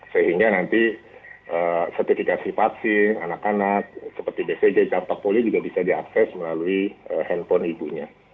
sehingga nanti sertifikasi paksir anak anak seperti bcg cartopoli juga bisa diakses melalui handphone ibunya